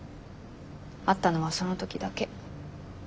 会ったのはその時だけ。